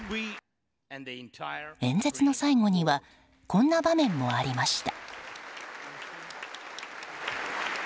演説の最後にはこんな場面もありました。